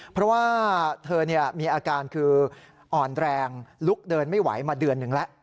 เพราะว่าเธอมีอาการคืออ่อนแรงลุกเดินไม่ไหวมาเดือนหนึ่งแล้ว